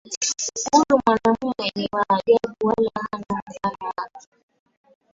Huyu mwanaume ni wa ajabu wala hana mfano wake.